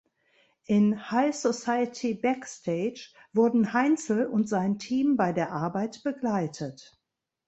In "Hi Society Backstage" wurden Heinzl und sein Team bei der Arbeit begleitet.